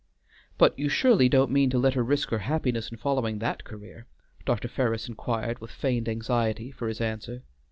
"But you surely don't mean to let her risk her happiness in following that career?" Dr. Ferris inquired with feigned anxiety for his answer.